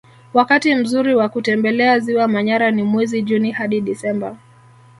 Wakati mzuri wa kutembelea ziwa manyara ni mwezi juni hadi disemba